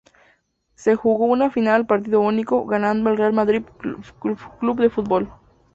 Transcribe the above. Se jugó una final a partido único, ganando el Real Madrid Club de Fútbol.